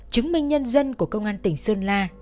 chứng minh nhân dân của công an tỉnh sơn la